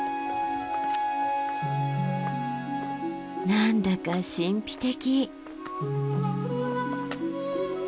何だか神秘的。